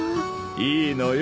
いいのよ。